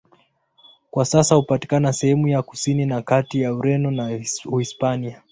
Kwa sasa hupatikana sehemu ya kusini na kati ya Ureno na Hispania.